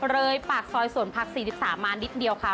เลยปากซอยสวนพัก๔๓มานิดเดียวค่ะ